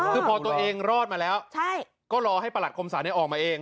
คือพอตัวเองรอดมาแล้วก็รอให้ประหลัดคมศาลออกมาเอง